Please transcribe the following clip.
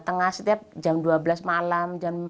tengah setiap jam dua belas malam